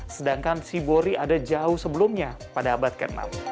sedangkan shibori ada jauh sebelumnya pada abad ke enam